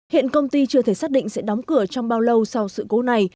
hiện công ty chưa thể xác định sẽ đóng cửa trong bao lâu sau sự cố này